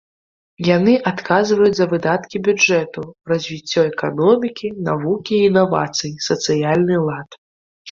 Яны адказваюць за выдаткі бюджэту, развіццё эканомікі, навукі і інавацый, сацыяльны лад.